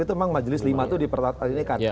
itu memang majelis lima itu dipertandingkan